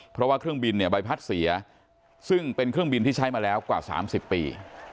เพราะว่าเครื่องบินเนี่ยใบพัดเสียซึ่งเป็นเครื่องบินที่ใช้มาแล้วกว่า๓๐ปี